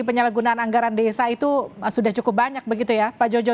penyalahgunaan anggaran desa itu sudah cukup banyak begitu ya pak jojo